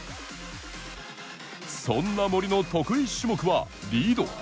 そんな森の得意種目は、リード。